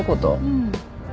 うん。